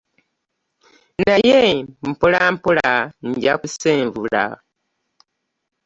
Naye mpolampola nja kusenvula .